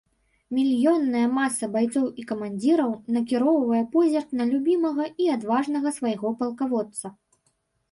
Мільённая маса байцоў і камандзіраў накіроўвае позірк на любімага і адважнага свайго палкаводца.